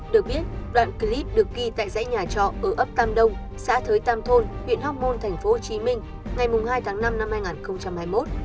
được biết đoạn clip được ghi tại dãy nhà trọ ở ấp tam đông xã thới tam thôn huyện hóc môn tp hcm ngày hai tháng năm năm hai nghìn hai mươi một